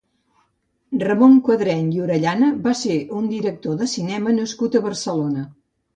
Ramon Quadreny i Orellana va ser un director de cinema nascut a Barcelona.